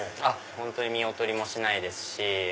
本当に見劣りもしないですし。